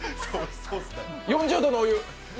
４０度のお湯。